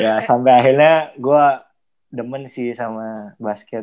ya sampai akhirnya gue demen sih sama basket